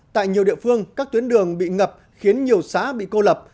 tại nhiều địa phương các tuyến đường bị ngập khiến nhiều xã bị cô lập